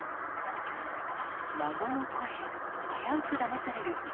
孫の声、危うくだまされる。